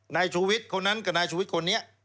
นายชูวิทย์คนนั้นกับนายชูวิทย์คนนี้